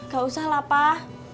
gak usah lah pak